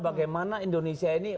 bagaimana indonesia ini